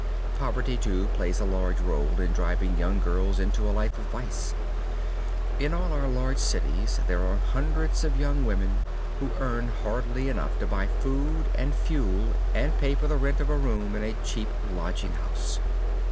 _ Poverty, too, plays a large part in driving young girls into a life of vice. In all our large cities there are hundreds of young women who earn hardly enough to buy food and fuel and pay for the rent of a room in a cheap lodging house.